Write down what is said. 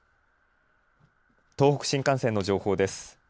東北新幹線の情報です。